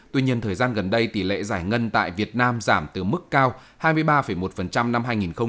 tuy nhiên thời gian gần đây tỷ lệ giải ngân tại việt nam giảm từ mức cao hai mươi ba một năm hai nghìn một mươi sáu